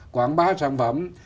quảng bá sản phẩm